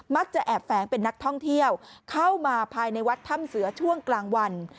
จะแอบแฝงเป็นนักท่องเที่ยวเข้ามาภายในวัดถ้ำเสือช่วงกลางวัน